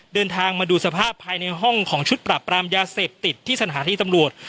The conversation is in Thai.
เดินทางมาดูสภาพภายในห้องของชุดปรับปรามยาเสพติดที่สถานีตำรวจ